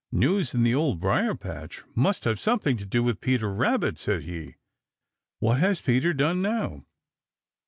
"News in the Old Briar patch must have something to do with Peter Rabbit," said he. "What has Peter done now?"